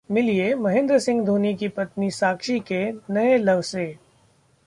मिलिए महेंद्र सिंह धोनी की पत्नी साक्षी के नए Love से